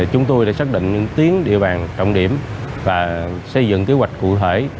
chúng tôi đã xác định những tiếng địa bàn trọng điểm và xây dựng kế hoạch cụ thể